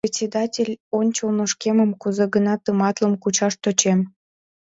Председатель ончылно шкемым кузе-гынат тыматлын кучаш тӧчем.